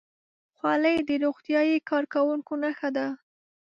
خولۍ د روغتیايي کارکوونکو نښه ده.